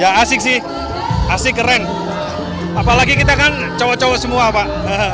ya asik sih asik keren apalagi kita kan cowok cowok semua pak